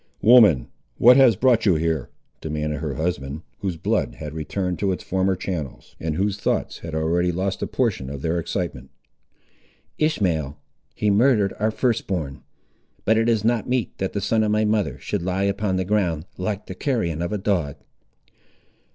"Woman, what has brought you here?" demanded her husband, whose blood had returned into its former channels, and whose thoughts had already lost a portion of their excitement. "Ishmael, he murdered our first born; but it is not meet that the son of my mother should lie upon the ground, like the carrion of a dog!"